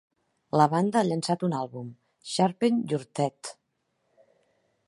La banda ha llançat un àlbum: "Sharpen Your Teeth".